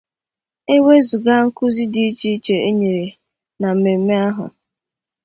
E wezuga nkụzi dị icheiche e nyere na mmemme ahụ